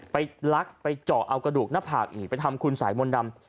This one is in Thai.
ลักไปเจาะเอากระดูกหน้าผากอีกไปทำคุณสายมนต์ดำ